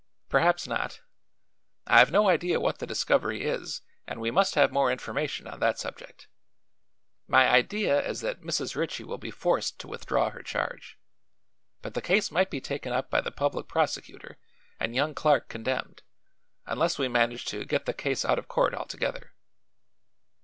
Perhaps not. I've no idea what the discovery is and we must have more information on that subject. My idea is that Mrs. Ritchie will be forced to withdraw her charge; but the case might be taken up by the public prosecutor and young Clark condemned, unless we manage to get the case out of court altogether."